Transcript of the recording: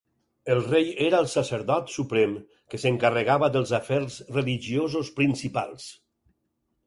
El rei era el sacerdot suprem que s'encarregava dels afers religiosos principals.